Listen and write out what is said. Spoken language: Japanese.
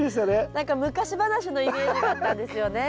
何か昔話のイメージだったんですよね。